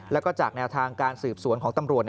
แล้วก็จากแนวทางการสืบสวนของตำรวจ